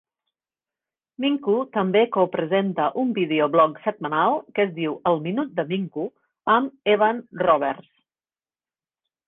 Minko també co-presenta un vídeo blog setmanal que es diu el "Minut de Minko" amb Evan Roberts.